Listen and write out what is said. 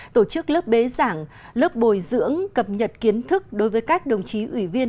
tổ chức lớp bế giảng lớp bồi dưỡng cập nhật kiến thức đối với các đồng chí ủy viên